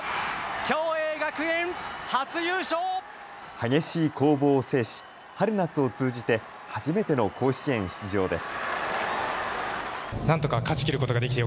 激しい攻防を制し春夏を通じて初めての甲子園出場です。